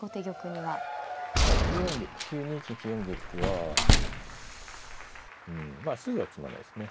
はい９二金９四玉はうんまあすぐは詰まないですね。